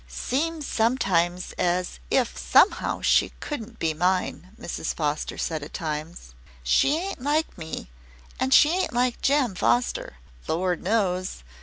"Seems sometimes as if somehow she couldn't be mine," Mrs. Foster said at times. "She ain't like me, an' she ain't like Jem Foster, Lord knows.